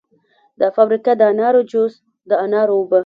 دا فابریکه د انارو جوس، د انارو اوبه